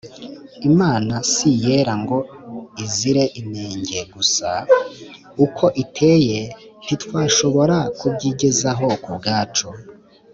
Imana si Iyera ngo Izire inenge gusa (uko iteye ntitwashobora kubyigezaho ku bwacu)